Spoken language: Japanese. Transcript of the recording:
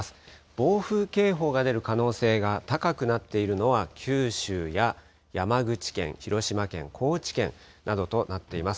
暴風警報が出る可能性が高くなっているのは九州や山口県、広島県、高知県などとなっています。